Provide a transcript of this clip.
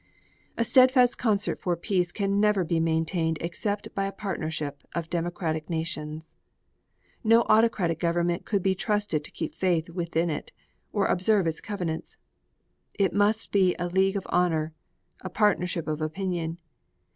A steadfast concert for peace can never be maintained except by a partnership of democratic nations. No autocratic government could be trusted to keep faith within it or observe its covenants. It must be a league of honor, a partnership of opinion.